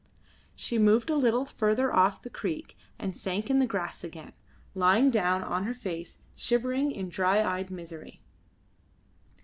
She moved a little further off the creek and sank in the grass again, lying down on her face, shivering in dry eyed misery.